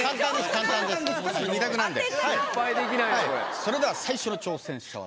それでは最初の挑戦者は。